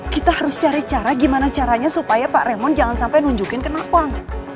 kita harus cari cara gimana caranya supaya pak raymond jangan sampai nunjukin ke nawal